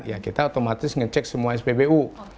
ya kita otomatis ngecek semua spbu